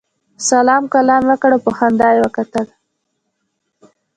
سلام کلام یې وکړ او په خندا یې وکتل.